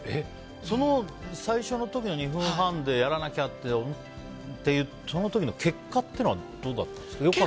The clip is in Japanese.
その最初の時の２分半でやらなきゃという時にその時の結果というのはどうだったんですか？